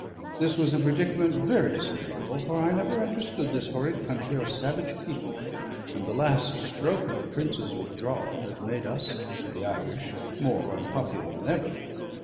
This was a predicament very disagreeable; for I never understood this horrid country or savage people, and the last stroke of the Prince's withdrawal had made us of the Irish more unpopular than ever.